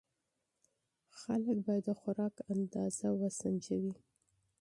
خلک باید د خوراک اندازه وسنجوي.